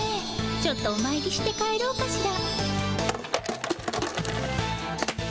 ちょっとおまいりして帰ろうかしら？